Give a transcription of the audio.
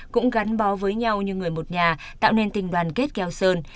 cũng gắn bó với nhau như người một nhà tạo nên tình đoàn kết keo sơn